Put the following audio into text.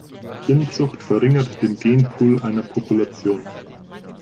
Inzucht verringert den Genpool einer Population.